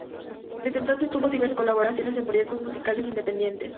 Desde entonces tuvo diversas colaboraciones en proyectos musicales independientes.